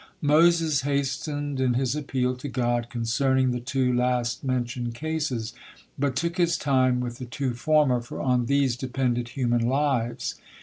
Moses hastened in his appeal to God concerning the two last mentioned cases, but took his time with the two former, for on these depended human lives.